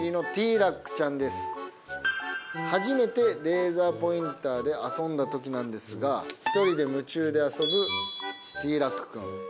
初めてレーザーポインターで遊んだ時なんですが１人で夢中で遊ぶティーラックくん。